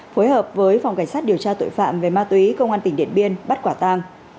phối hợp với phòng cảnh sát điều tra tội phạm về ma túy công an tỉnh điện biên bắt quả tang